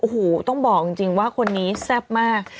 โอ้โฮต้องบอกจริงว่าคนนี้ทรัพย์มาก